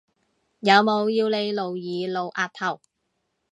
有冇要你露耳露額頭？